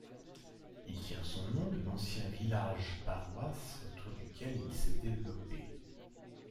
Il tient son nom de l'ancien village-paroisse autour duquel il s'est développé.